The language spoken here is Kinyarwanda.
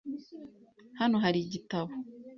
Hano hari igitabo .